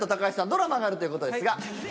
ドラマがあるということですが。